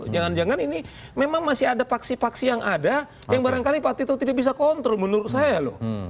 jangan jangan ini memang masih ada paksi paksi yang ada yang barangkali pak tito tidak bisa kontrol menurut saya loh